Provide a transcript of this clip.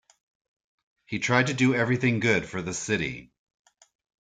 He tried to do everything good for the city.